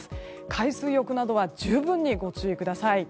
海水浴などは十分にご注意ください。